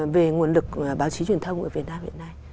về nguồn lực báo chí truyền thông ở việt nam hiện nay